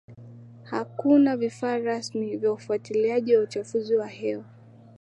hakuna vifaa rasmi vya ufuatiaji wa uchafuzi wa hewa